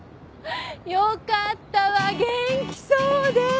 よかったわ元気そうで！